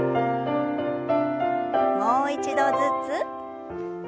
もう一度ずつ。